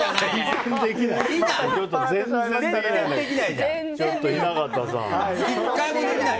全然できない。